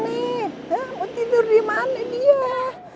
nih mau tidur di mana dia